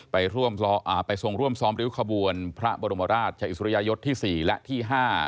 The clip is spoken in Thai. ไปทรงร่วมซ้อมริ้วขบวนพระบรมราชอิสริยยศที่๔และที่๕